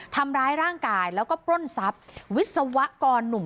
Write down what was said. ทำร้ายร่างกายแล้วก็ปล้นทรัพย์วิศวกรหนุ่ม